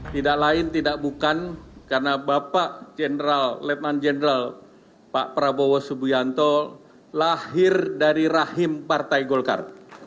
tidak lain tidak bukan karena bapak leep man jenderal pak prabowo subianto lahir dari rahim partai golkar